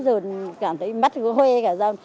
giờ cảm thấy mắt nó hue cả ra